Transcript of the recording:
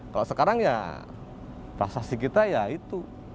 kalau sekarang ya prasasti kita ya itu